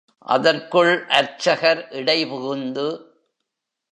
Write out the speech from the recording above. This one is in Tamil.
அதற்குள் அர்ச்சகர் இடைபுகுந்து.